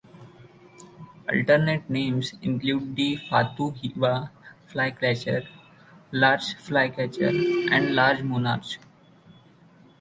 Alternate names include the Fatu Hiva flycatcher, large flycatcher and large monarch.